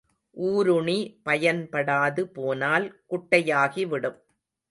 ஊருணி பயன்படாது போனால் குட்டையாகிவிடும்.